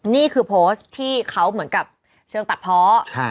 นี่คือโพสต์ที่เขาเหมือนกับเชิงตัดเพาะ